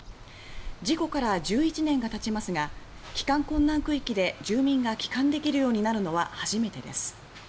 事故から１１年がたちますが帰還困難区域で住民が帰還できるようになるのは初めてです。